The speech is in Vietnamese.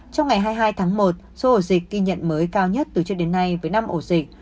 trong ngày hai mươi hai tháng một số ổ dịch ghi nhận mới cao nhất từ trước đến nay với năm ổ dịch